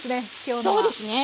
そうですね。